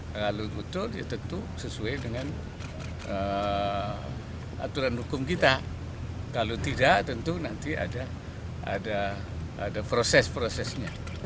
kalau betul ya tentu sesuai dengan aturan hukum kita kalau tidak tentu nanti ada proses prosesnya